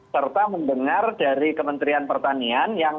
serta mendengar dari kementerian pertanian